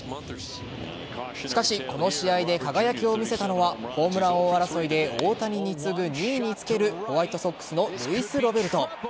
しかしこの試合で輝きを見せたのはホームラン王争いで大谷に次ぐ２位につけるホワイトソックスのルイス・ロベルト。